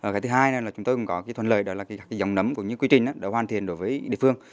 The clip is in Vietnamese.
cái thứ hai là chúng tôi cũng có cái thuận lợi đó là cái dòng nấm của những quy trình đã hoàn thiện đối với địa phương